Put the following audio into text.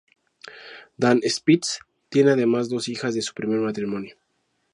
Dan Spitz tiene además dos hijas de su primer matrimonio.